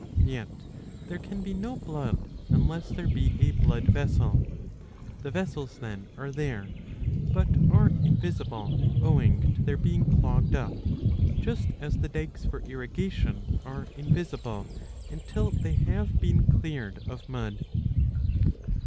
Yet there can be no blood, unless there be a blood vessel. The vessels then are there, but are invisible owing to their being clogged up, just as the dykes for irrigation are invisible until they have been cleared of mud.